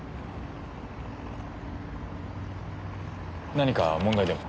何か問題でも？